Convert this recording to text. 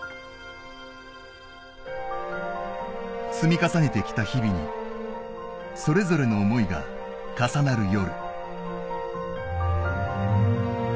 積み重ねてきた日々にそれぞれの思いが重なる夜。